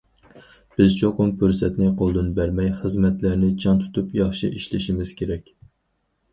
بىز چوقۇم پۇرسەتنى قولدىن بەرمەي، خىزمەتلەرنى چىڭ تۇتۇپ ياخشى ئىشلىشىمىز كېرەك.